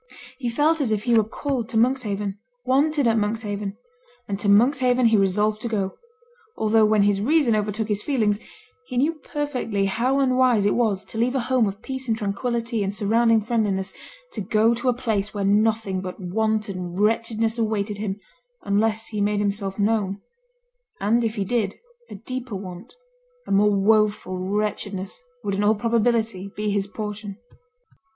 He felt as if he were called to Monkshaven, wanted at Monkshaven, and to Monkshaven he resolved to go; although when his reason overtook his feeling, he knew perfectly how unwise it was to leave a home of peace and tranquillity and surrounding friendliness, to go to a place where nothing but want and wretchedness awaited him unless he made himself known; and if he did, a deeper want, a more woeful wretchedness, would in all probability be his portion.